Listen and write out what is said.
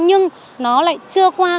nhưng nó lại chưa qua